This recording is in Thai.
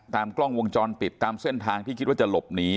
กล้องวงจรปิดตามเส้นทางที่คิดว่าจะหลบหนี